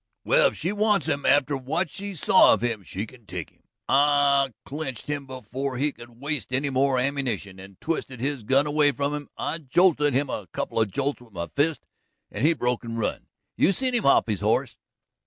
"Well, if she wants him after what she's saw of him, she can take him. I clinched him before he could waste any more ammunition, and twisted his gun away from him. I jolted him a couple of jolts with my fist, and he broke and run. You seen him hop his horse."